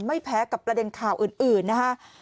ไม่แพ้กับประเด็นข่าวอื่นนะฮะ